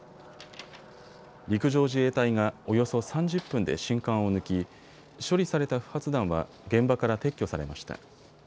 陸上自衛隊がおよそ３０分で信管を抜き、処理された不発弾は現場から撤去されました。